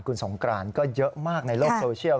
คุณสงกรานก็เยอะมากในโลกโซเชียล